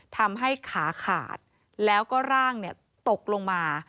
ทำให้ขาขาดแล้วก็ร่างตกลงมา